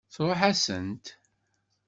Tṛuḥ-asent.